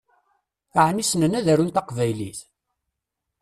Ɛni ssnen ad arun taqbaylit?